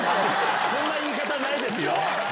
そんな言い方ないですよ！